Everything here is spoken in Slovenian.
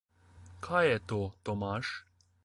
Kaj je to, Tomaž?